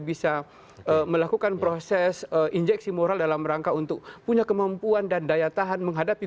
bisa melakukan proses injeksi moral dalam rangka untuk punya kemampuan dan daya tahan menghadapi